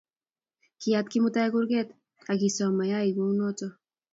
Kiyat Kimutai kurget akisom mayai kounoto